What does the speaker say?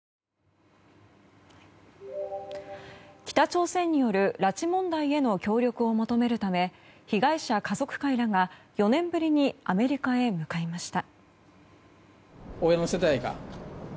北朝鮮による拉致問題への協力を求めるため被害者家族会らが４年ぶりにアメリカへ向かいました。